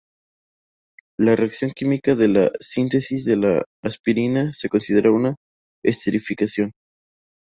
La reacción química de la síntesis de la aspirina se considera una esterificación.